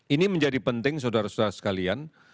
ini menjadi penting saudara saudara sekalian